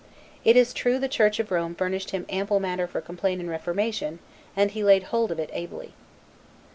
It is true, the church of Rome furnished him ample matter for complaint and reformation, and he laid hold of it ably.